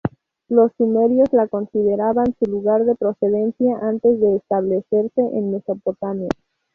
Los sumerios la consideraban su lugar de procedencia antes de establecerse en Mesopotamia.